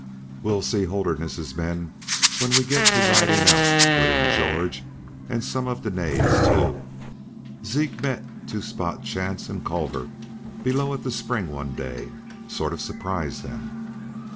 "We'll see Holderness's men when we get to riding out," put in George. "And some of Dene's too. Zeke met Two Spot Chance and Culver below at the spring one day, sort of surprised them."